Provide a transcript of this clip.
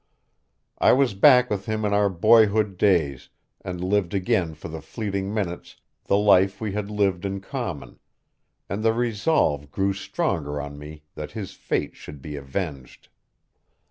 I was back with him in our boyhood days, and lived again for the fleeting minutes the life we had lived in common; and the resolve grew stronger on me that his fate should be avenged.